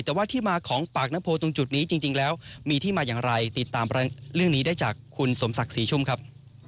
แต่ว่าที่มาของปากน้ำโพตรงจุดนี้จริงแล้วมีที่มาอย่างไรติดตามเรื่องนี้ได้จากคุณสมศักดิ์ศรีชุ่มครับ